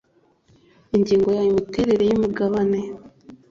Ingingo ya imiterere y imigabane